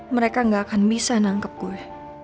mereka gak akan bisa nangkep gue